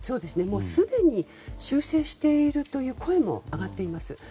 すでに修正しているという声も上がっています。